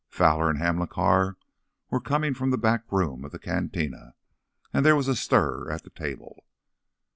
Fowler and Hamilcar were coming from the back room of the cantina, and there was a stir at the table.